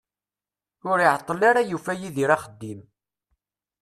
Ur iεeṭṭel ara yufa Yidir axeddim.